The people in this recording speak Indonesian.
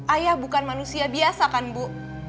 ayah bukan manusia biasa kan bu